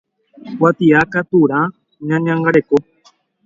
Kuatiakaturã Ñeñangareko.